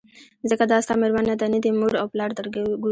ځکه دا ستا مېرمن نه ده نه دي مور او پلار درګوري